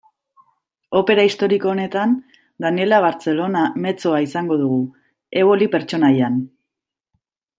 Opera historiko honetan, Daniella Barcellona mezzoa izango dugu, Eboli pertsonaian.